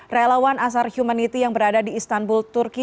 relawan asar humanity yang berada di istanbul turki